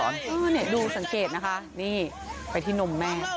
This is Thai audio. นี่ดูสังเกตนะคะนี่ไปที่นมแม่